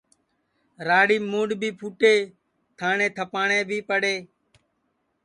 راڑیم مُڈؔ بھی پھُٹے تھاٹؔے تھپاٹؔے بھی پڑے